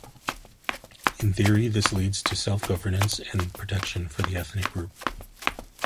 In theory, this leads to self governance and protection for the ethnic group.